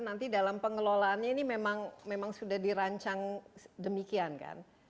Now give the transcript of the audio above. nanti dalam pengelolaannya ini memang sudah dirancang demikian kan